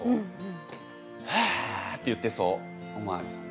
「はあ」って言ってそうお巡りさん。